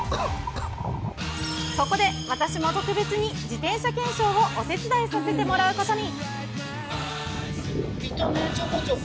そこで私も特別に自転車検証をお手伝いさせてもらうことに。